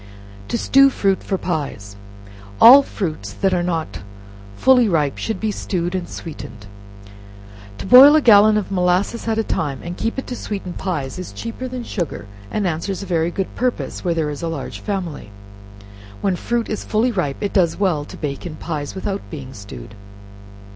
To Stew Fruit for Pies. All fruits that are not fully ripe should be stewed and sweetened. To boil a gallon of molasses at a time, and keep it to sweeten pies, is cheaper than sugar, and answers a very good purpose, where there is a large family. When fruit is fully ripe it does very well to bake in pies, without being stewed.